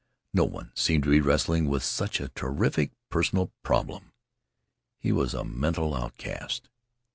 No one seemed to be wrestling with such a terrific personal problem. He was a mental outcast.